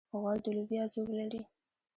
غول د لوبیا زور لري.